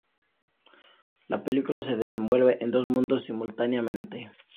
La película se desenvuelve en dos mundos simultáneamente.